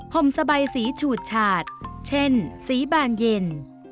ห่มสบายสีฉูดฉาดเช่นสีบานเย็น